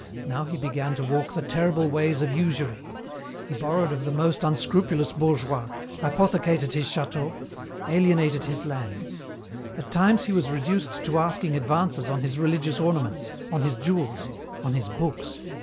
Now he began to walk the terrible ways of usury. He borrowed of the most unscrupulous bourgeois, hypothecated his châteaux, alienated his lands. At times he was reduced to asking advances on his religious ornaments, on his jewels, on his books."